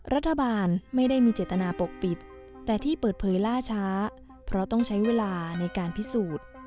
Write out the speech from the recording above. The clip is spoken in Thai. รัฐบาลไม่ได้มีเจตนาปกปิดแต่ที่เปิดเผยล่าช้าเพราะต้องใช้เวลาในการพิสูจน์